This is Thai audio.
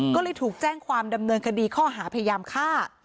ก็เลยถูกแจ้งความดำเนินคดีข้อหาพยายามฆ่า